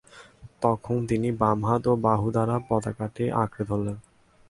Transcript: তখন তিনি বাম হাত ও বাহু দ্বারা পতাকাটি আকড়ে ধরলেন।